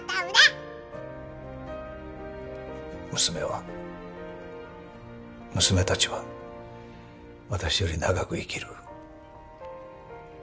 娘は娘たちは私より長く生きる。